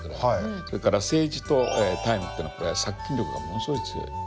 それからセージとタイムっていうのは殺菌力がものすごい強い。